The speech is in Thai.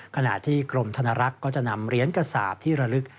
ขณะที่กรมธนรักก็จะนำเรียนกษาบที่ระลึก